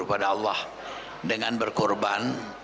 kepada allah dengan berkorban